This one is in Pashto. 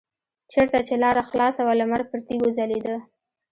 چېرته چې لاره خلاصه وه لمر پر تیږو ځلیده.